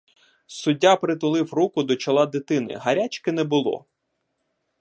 Суддя притулив руку до чола дитини, — гарячки не було.